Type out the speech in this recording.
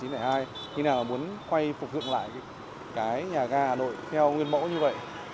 như thế nào mà muốn quay phục hưởng lại cái nhà ga hà nội theo nguyên mẫu như vậy